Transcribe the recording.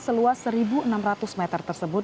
seluas satu enam ratus meter tersebut